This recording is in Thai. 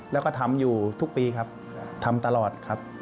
แล้วก็ทำอยู่ทุกปีครับทำตลอดครับ